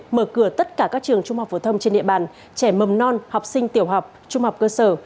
mở cửa tất cả các trường trung học phổ thông trên địa bàn trẻ mầm non học sinh tiểu học trung học cơ sở